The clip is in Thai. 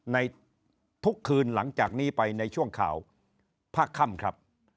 ในทุกคืนหลังจากนี้ไปในช่วงข่าวภาคค่ำครับ